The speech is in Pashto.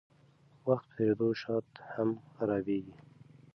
وخت په تېرېدو شات هم خرابیږي.